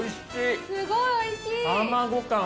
すごいおいしい！